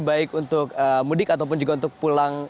baik untuk mudik ataupun juga untuk pulang